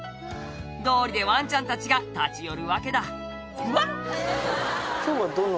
「道理でワンちゃんたちが立ち寄るわけだワン！」